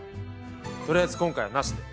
とりあえず今回はなしで。